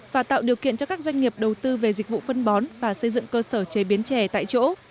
và tạo điều kiện cho các doanh nghiệp đầu tư về dịch vụ phân bón và xây dựng cơ sở chế biến trè tại chỗ